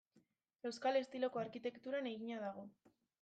Euskal estiloko arkitekturan egina dago.